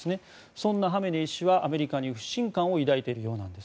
そんなハメネイ師はアメリカに不信感を抱いているようです。